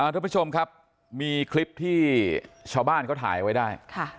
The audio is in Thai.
ทุกผู้ชมครับมีคลิปที่ชาวบ้านเขาถ่ายไว้ได้